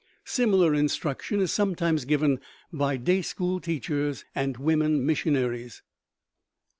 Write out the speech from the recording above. Similar instruction is sometimes given by day school teachers and woman missionaries.